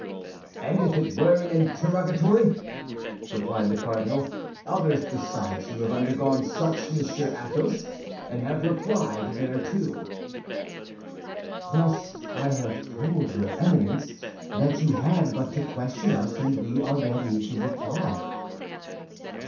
"And if it were an interrogatory!" replied the cardinal. "Others besides you have undergone such, Monsieur Athos, and have replied thereto." "Thus I have told your Eminence that you had but to question us, and we are ready to reply."